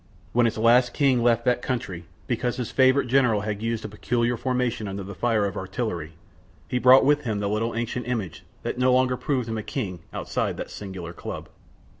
When its last king left that country, because his favorite general used a peculiar formation under the fire of artillery, he brought with him the little ancient image that no longer proved him a king outside that singular club.